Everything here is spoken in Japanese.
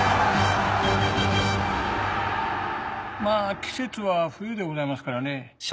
まぁ季節は冬でございますからね。